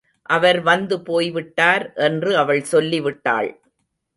அவர் வந்துபோய் விட்டார் என்று அவள் சொல்லி விட்டாள்.